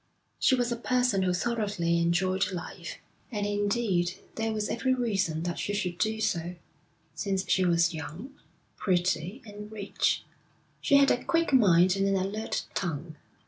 She was a person who thoroughly enjoyed life; and indeed there was every reason that she should do so, since she was young, pretty, and rich; she had a quick mind and an alert tongue.